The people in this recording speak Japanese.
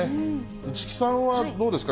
市來さんはどうですか？